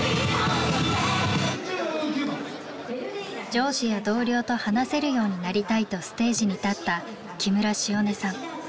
上司や同僚と話せるようになりたいとステージに立った木村汐音さん。